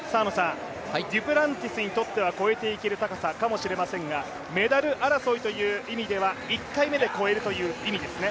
デュプランティスにとっては超えていける高さかもしれませんが、メダル争いという意味では１回目で越えるという意味ですね。